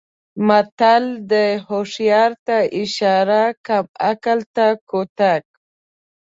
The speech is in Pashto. متل دی: هوښیار ته اشاره کم عقل ته کوتک.